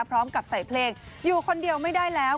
พร้อมกับใส่เพลงอยู่คนเดียวไม่ได้แล้ว